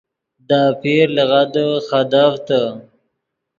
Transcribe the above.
دے آپیر لغدے خدیڤتے